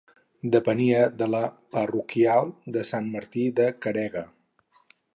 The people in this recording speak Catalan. Depenia de la parroquial de Sant Martí de Caregue.